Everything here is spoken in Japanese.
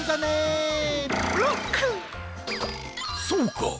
そうか！